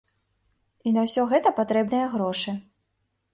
І на ўсё гэта патрэбныя грошы.